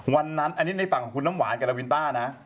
วันนั้นอันนี้ในฝั่งของคุณน้ำหวานกับลาวินต้านะ